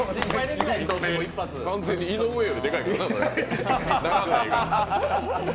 完全に井上より、でかいからな。